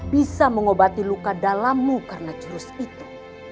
bisa mengobati luka dalammu karena jurus itu